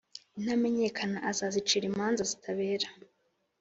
Intamenyekana azazicira imanza zitabera,